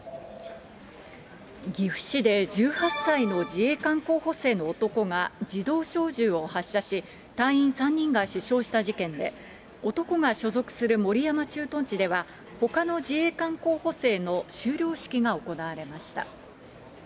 岐阜市で１８歳の自衛官候補生の男が、自動小銃を発射し、隊員３人が死傷した事件で、男が所属する守山駐屯地では、ほかの自衛官候補生の修了式が行われました。